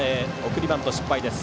送りバント失敗です。